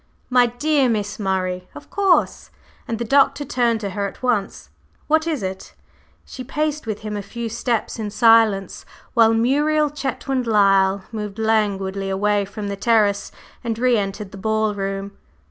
"My dear Miss Murray! Of course!" and the Doctor turned to her at once. "What is it?" She paced with him a few steps in silence, while Muriel Chetwynd Lyle moved languidly away from the terrace and re entered the ball room.